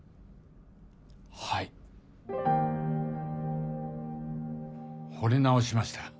はいほれ直しました。